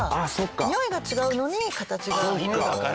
においが違うのに形が犬だから。